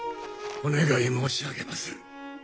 お願い申し上げまする！